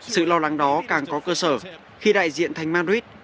sự lo lắng đó càng có cơ sở khi đại diện thành madrid